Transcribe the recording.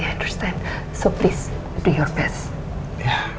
jadi tolong lakukan yang terbaik